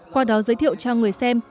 qua đó giới thiệu cho người xem